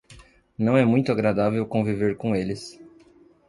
Não é muito agradável conviver com eles.